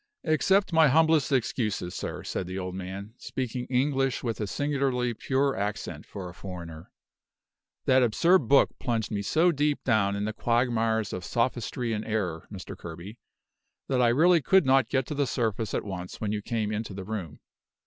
"Accept my humblest excuses, sir," said the old man, speaking English with a singularly pure accent for a foreigner. "That absurd book plunged me so deep down in the quagmires of sophistry and error, Mr. Kerby, that I really could not get to the surface at once when you came into the room.